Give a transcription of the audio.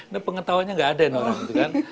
nah pengetahuannya nggak ada nih orang itu kan